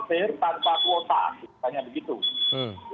tanpa kuota hanya begitu